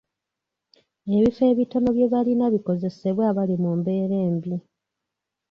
Ebifo ebitono bye balina bikozesebwe abali mu mbeera embi